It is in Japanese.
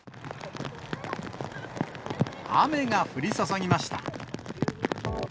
雨が降り注ぎました。